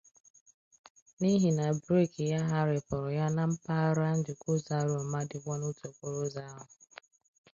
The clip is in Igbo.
n'ihi na breeki ya gharịpụrụ ya na mpaghara njikọụzọ Aroma dịkwa n'otu okporoụzọ ahụ